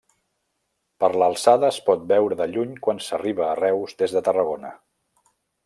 Per l'alçada es pot veure de lluny quan s'arriba a Reus des de Tarragona.